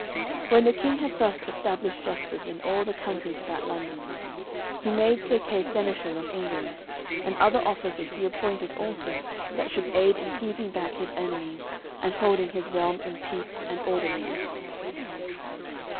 When the king had thus established justice in all the countries about London, he made Sir Kay seneschal of England, and other officers he appointed also that should aid in keeping back his enemies and holding his realm in peace and orderliness.